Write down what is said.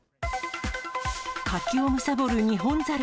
柿をむさぼるニホンザル。